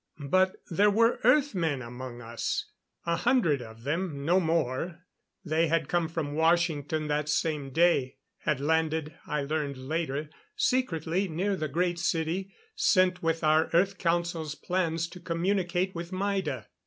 But there were Earth men among us. A hundred of them, no more. They had come from Washington that same day; had landed, I learned later, secretly near the Great City, sent with our Earth Council's plans to communicate with Maida.